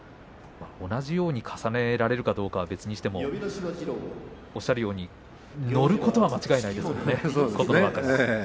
同じように重ねられるかどうか別としてもおっしゃるように乗ることは間違いないですね。